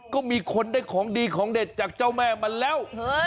ก็มีคนได้ของดีของเด็ดจากเจ้าแม่มาแล้ว